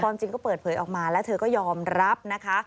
จริงก็เปิดเผยออกมาแล้วเธอก็ยอมรับนะคะ